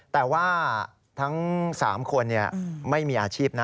แต่ว่าทั้ง๓คนไม่มีอาชีพนะ